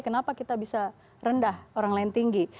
kenapa kita bisa rendah orang lain tinggi